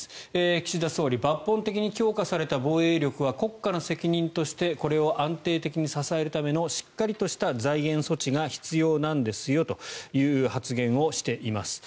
岸田総理抜本的に強化された防衛力は国家の責任としてこれを安定的に支えるためのしっかりとした財源措置が必要なんですよという発言をしています。